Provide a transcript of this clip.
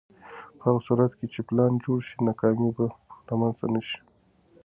په هغه صورت کې چې پلان جوړ شي، ناکامي به رامنځته نه شي.